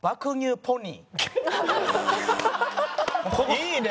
いいね。